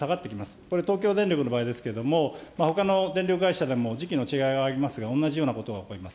これ、東京電力の場合ですけれども、ほかの電力会社でも時期の違いはありますが、同じようなことがございます。